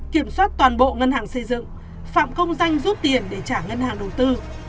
kiểm soát toàn bộ ngân hàng xây dựng phạm công danh rút tiền để trả ngân hàng đầu tư